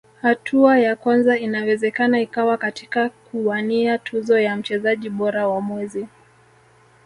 hatua ya kwanza inawezekana ikawa katika kuwania tuzo ya mchezaji bora wa mwezi